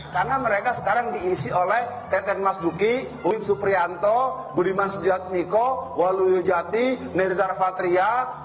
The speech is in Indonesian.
karena mereka sekarang diisi oleh teten mas duki bumim suprianto budiman sejad miko waluyo yudjati nezar fatriyat